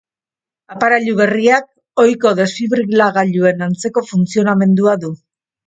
Aparailu berriak ohiko desfibrilagailuen antzeko funtzionamendua du.